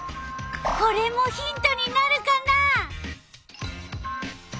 これもヒントになるかな？